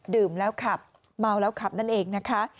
ดื่มแล้วขับเมาแล้วขับนั่นเองนะคะ